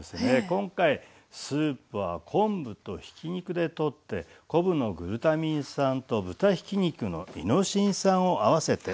今回スープは昆布とひき肉でとって昆布のグルタミン酸と豚ひき肉のイノシン酸を合わせて。